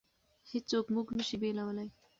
هېڅوک موږ نشي بېلولی.